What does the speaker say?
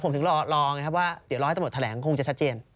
ผมถึงรอไงครับว่าเดี๋ยวร้อยตำรวจแถลงคงจะชัดเจน